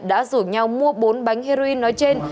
đã rủ nhau mua bốn bánh heroin nói trên